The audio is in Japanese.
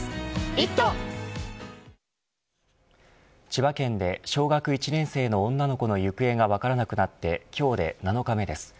千葉県で小学１年生の女の子の行方が分からなくなって今日で７日目です。